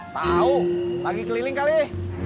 tahu lagi keliling kali